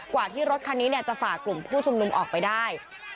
กว่าที่รถคันนี้จะฝ่ากลุ่มผู้ชุมนุมออกไปได้